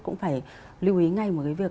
cũng phải lưu ý ngay một cái việc